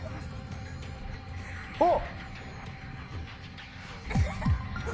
あっ！